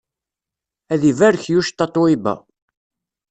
Ad ibarek yuc Tatoeba.